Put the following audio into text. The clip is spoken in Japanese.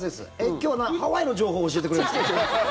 今日、ハワイの情報を教えてくれるんですか？